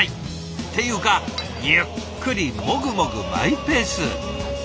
っていうかゆっくりもぐもぐマイペース。